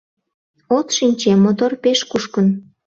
От шинче, мотор пеш кушкын!